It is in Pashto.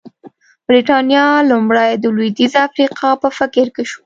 برېټانیا لومړی د لوېدیځې افریقا په فکر کې شوه.